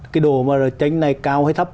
cái đồ mà tranh này cao hay thấp